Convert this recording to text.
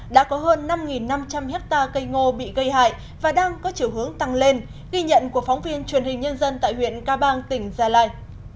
đã có hơn năm năm trăm linh hectare cây ngô bị gây hại và đang có chiều hướng tăng lên ghi nhận của phóng viên truyền hình nhân dân tại huyện ca bang tỉnh gia lai